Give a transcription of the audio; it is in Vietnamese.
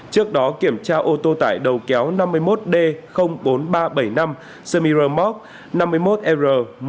trước đó kiểm tra ô tô tải đầu kéo năm mươi một d bốn nghìn ba trăm bảy mươi năm semi ramok năm mươi một r một mươi bốn nghìn sáu mươi năm